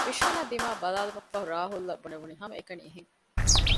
ވިޝާންއާ ދިމާއަށް ބަލާލުމަށްފަހު ރާހުލްއަށް ބުނެވުނީ ހަމައެކަނި އެހެން